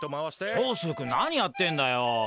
長州くん、何やってんだよ。